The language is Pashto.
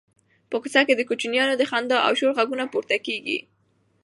په کوڅه کې د کوچنیانو د خندا او شور غږونه پورته کېږي.